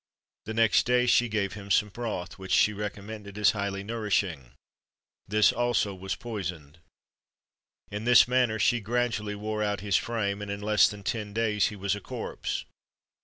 The next day she gave him some broth, which she recommended as highly nourishing. This also was poisoned. In this manner she gradually wore out his frame, and in less than ten days he was a corpse!